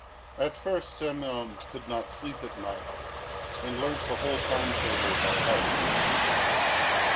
At first Semyon could not sleep at night, and learnt the whole time table by heart.